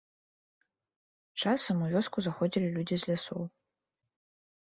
Часам, у вёску заходзілі людзі з лясоў.